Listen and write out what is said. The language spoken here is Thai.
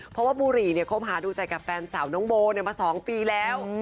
เพราะปุหรี่โมะภาพดูใจกับแฟนสาวน้องโบเนี่ยมา๒ปีแล้ว